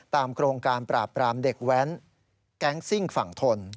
โครงการปราบปรามเด็กแว้นแก๊งซิ่งฝั่งทน